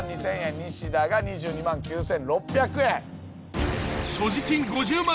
ニシダが２２万９，６００円。